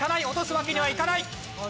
落とすわけにはいかない。